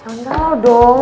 jangan galau dong